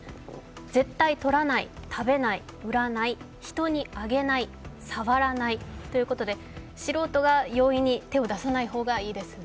絶対採らない、食べない、売らない、人にあげない、触らないということで素人が容易に手を出さない方がいいですね。